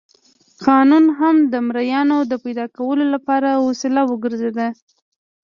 قانون هم د مریانو د پیدا کولو لپاره وسیله وګرځېده.